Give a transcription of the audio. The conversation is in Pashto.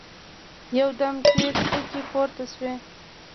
يودم تېرې کوکې پورته شوې.